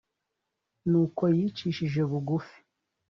nuko yicishije bugufi